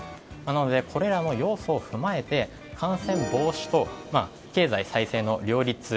なのでこれらの要素を踏まえて感染防止と経済再生の両立